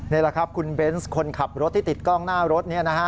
นี่แหละครับคุณเบนส์คนขับรถที่ติดกล้องหน้ารถ